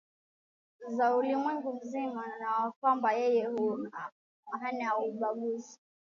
za ulimwengu mzima na kwamba yeye hanaumbaguzi